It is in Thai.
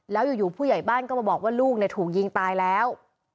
แล้วอยู่ผู้ใหญ่บ้านก็มาบอกว่าลูกถูกยิงตายแล้ว